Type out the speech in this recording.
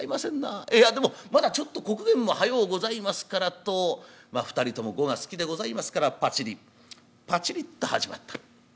いやでもまだちょっと刻限も早うございますから」と２人とも碁が好きでございますからパチリパチリと始まった。